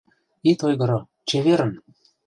Ит ойгыро, чеверын!